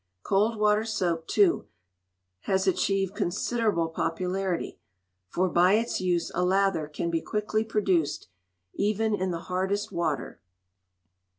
Cold water soap, too, has achieved considerable popularity, for by its use a lather can be quickly produced, even in the hardest water.